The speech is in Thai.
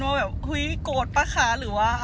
ก็แบบเฮ้ยโกรธป่ะคะหรือว่า